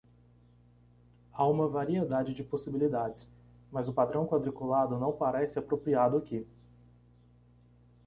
Há uma variedade de possibilidades?, mas o padrão quadriculado não parece apropriado aqui.